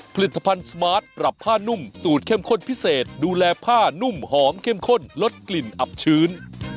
ผลิตภัณฑ์สมาร์ทปรับผ้านุ่มสูตรเข้มข้นพิเศษดูแลผ้านุ่มหอมเข้มข้นลดกลิ่นอับชื้น